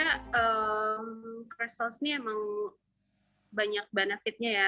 ehm kristal ini emang banyak benefitnya ya